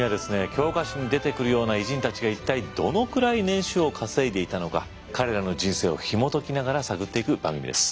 教科書に出てくるような偉人たちが一体どのくらい年収を稼いでいたのか彼らの人生をひも解きながら探っていく番組です。